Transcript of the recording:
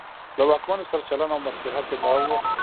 له واکمنو سره چلن او مصلحت یې دا و.